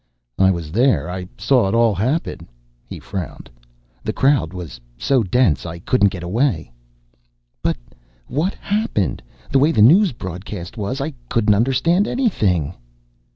"I was there. I saw it all happen." He frowned. "The crowd was so dense I couldn't get away." "But what happened? The way the news was broadcast I couldn't understand anything."